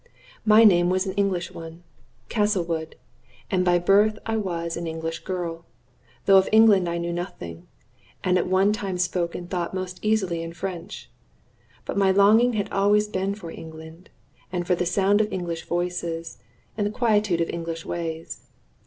My name was an English one Castlewood and by birth I was an English girl, though of England I knew nothing, and at one time spoke and thought most easily in French. But my longing had always been for England, and for the sound of English voices and the quietude of English ways.